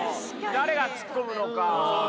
誰がツッコむのか。